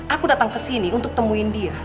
aku datang kesini untuk temuin dia